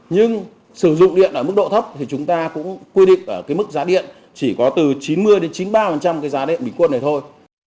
nhưng sử dụng điện ở mức độ thấp thì chúng ta cũng quy định ở cái mức giá điện chỉ có từ chín mươi đến chín mươi ba cái giá điện bình quân này thôi